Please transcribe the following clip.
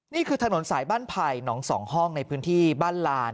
นี่คือถนนสายบ้านไผ่หนอง๒ห้องในพื้นที่บ้านลาน